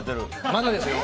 まだですよ。